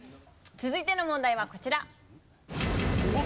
続いての問題はこちら。